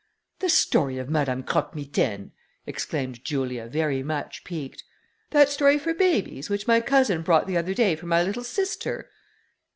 "The story of Madame Croque Mitaine!" exclaimed Julia, very much piqued: "that story for babies, which my cousin brought the other day for my little sister?"